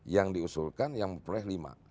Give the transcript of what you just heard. yang diusulkan yang memperoleh lima